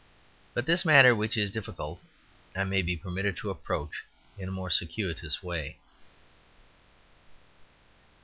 But this matter, which is difficult, I may be permitted to approach in a more circuitous way.